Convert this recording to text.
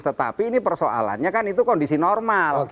tetapi ini persoalannya kan itu kondisi normal